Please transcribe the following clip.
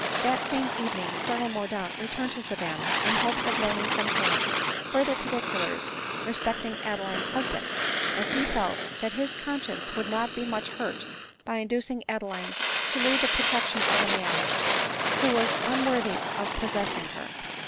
That same evening Colonel Mordaunt returned to Sa vanna, in hopes of learning from her, further particulars respecting Adeline's husband ; as he felt that his con science would not be much hurt by inducing Adeline to leave the protection of a man who was unworthy of pos sessing her.